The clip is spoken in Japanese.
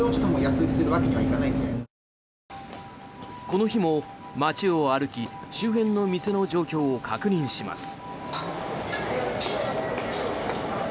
この日も街を歩き周辺の店の状況を確認します。